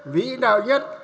vĩ đạo nhất